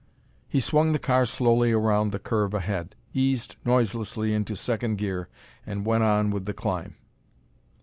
He swung the car slowly around the curve ahead, eased noiselessly into second gear and went on with the climb.